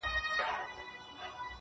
پيل كي وړه كيسه وه غـم نه وو,